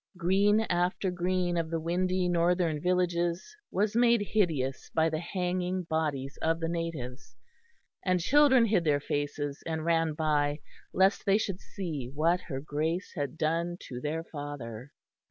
Green after green of the windy northern villages was made hideous by the hanging bodies of the natives, and children hid their faces and ran by lest they should see what her Grace had done to their father.